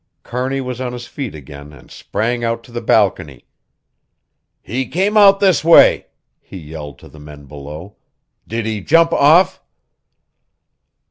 Kearney was on his feet again and sprang out to the balcony. "He came out this way," he yelled to the men below. "Did he jump off?"